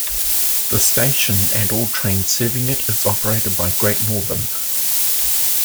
The station, and all trains serving it, is operated by Great Northern.